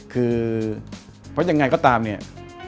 คือเพราะยังไงก็ตามเนี่ย